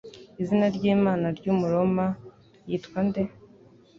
Izina ry'Imana y'Umuroma yitwa nde?